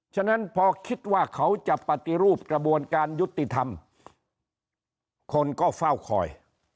ฉะนั้นพอคิดว่าเขาจะปฏิรูปกระบวนการยุติธรรมคนก็เฝ้าคอย